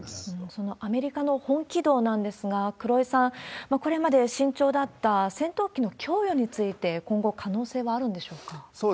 そのアメリカの本気度なんですが、黒井さん、これまで慎重だった戦闘機の供与について、今後、可能性はあるんでしょうか。